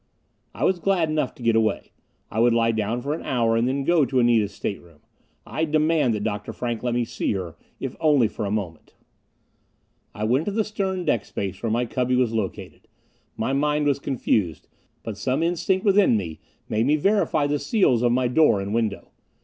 I was glad enough to get away. I would lie down for an hour, and then go to Anita's stateroom. I'd demand that Dr. Frank let me see her, if only for a moment. I went to the stern deck space where my cubby was located. My mind was confused, but some instinct within me made me verify the seals of my door and window.